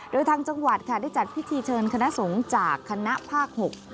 โดยทางจังหวัดค่ะได้จัดพิธีเชิญคณะสงฆ์จากคณะภาค๖